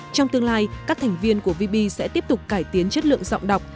trong tương lai các thành viên của vb sẽ tiếp tục cải tiến chất lượng giọng đọc